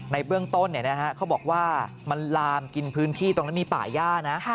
ในเบื้องต้นเขาบอกว่ามันลามกินพื้นที่ตรงนั้นมีป่าย่านะ